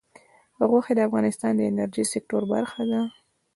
غوښې د افغانستان د انرژۍ سکتور برخه ده.